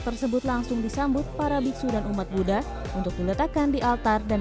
tersebut langsung disambut para biksu dan umat buddha untuk diletakkan di altar dan